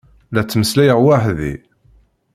La ttmeslayeɣ weḥd-i.